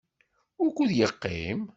Wukud yeqqim?